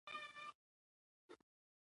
آیا دا رنګونه نه ځي؟